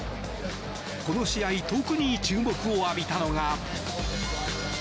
この試合特に注目を浴びたのが。